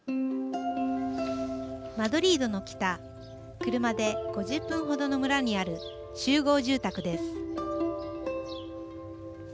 マドリードの北車で５０分程の村にある集合住宅です。